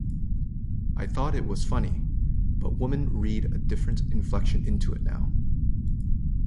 I thought it was funny, but women read a different inflection into it now.